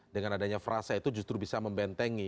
dengan adanya frasa itu justru bisa membentengi